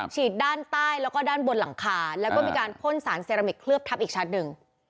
ฉีดด้านใต้แล้วก็ด้านบนหลังคาแล้วก็มีการพ่นสารเซรามิกเคลือบทับอีกชั้นหนึ่ง